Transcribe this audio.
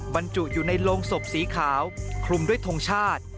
บรรจุอยู่ในโรงศพสีขาวคลุมด้วยทงชาติ